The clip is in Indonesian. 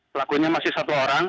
pelakunya masih satu orang